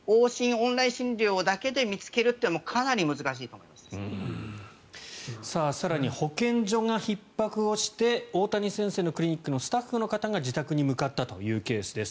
オンライン診療だけで見つけるというのは更に保健所がひっ迫をして大谷先生のクリニックのスタッフの方が自宅に向かったというケースです。